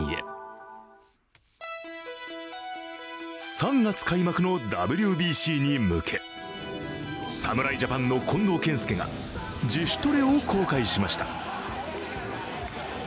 ３月開幕のＷＢＣに向け侍ジャパンの近藤健介が自主トレを公開しました。